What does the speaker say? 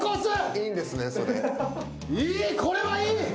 いいこれはいい！